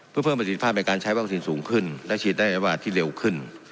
ภาพในการใช้วัคซีนสูงขึ้นได้ชีดได้ไว้วาดที่เร็วขึ้น